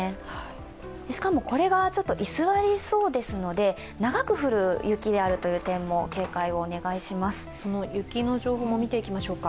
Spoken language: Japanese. しかも、これが居座りそうですので長く降る雪である点もその雪の情報も見ていきましょうか。